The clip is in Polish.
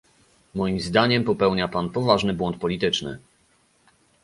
Moim zdaniem popełnia Pan poważny błąd polityczny